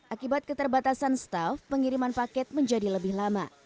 akibat keterbatasan staff pengiriman paket menjadi lebih lama